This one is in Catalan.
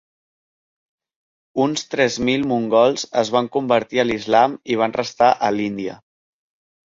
Uns tres mil mongols es van convertir a l'islam i van restar a l'Índia.